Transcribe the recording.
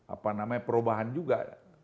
apa namanya perubahan juga